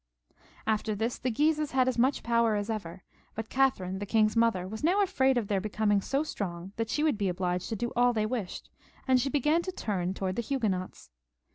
After this the Guises had as much power as ever, but Catherine, the king's mother, was now afraid of their XXXVII.] PRANCIS IL 269 becoming so strong that she would be obliged to do all they wished, and she began to turn towards the Hugue nots.